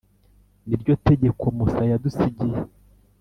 ni ryo Tegeko Musa yadusigiye,